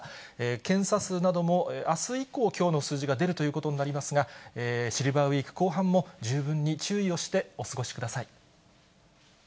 検査数などもあす以降、きょうの数字が出るということになりますが、シルバーウィーク後半も十分に注意をしてお過ごしください。